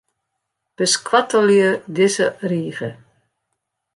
Beskoattelje dizze rige.